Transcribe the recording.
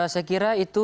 saya kira itu